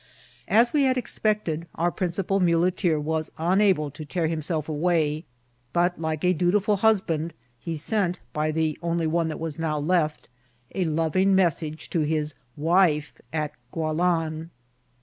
As we had expected, our principal muleteer was unable to tear himself away ; but, like a dutiful hus band, he sent, by the only one that was now left, a loving message to his wife at Gualan.